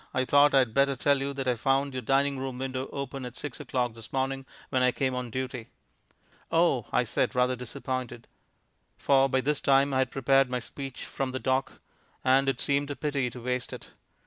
"I thought I'd better tell you that I found your dining room window open at six o'clock this morning when I came on duty." "Oh!" I said, rather disappointed. For by this time I had prepared my speech from the dock, and it seemed a pity to waste it.